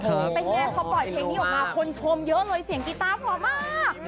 เป็นไงพอปล่อยเพลงนี้ออกมาคนชมเยอะเลยเสียงกีต้าพร้อมมาก